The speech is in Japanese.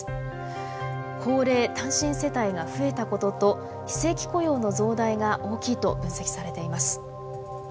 高齢単身世帯が増えたことと非正規雇用の増大が大きいと分析されています。